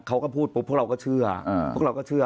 เค้าก็พูดปุ๊บเราก็เชื่อ